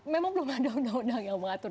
memang belum ada undang undang yang mengatur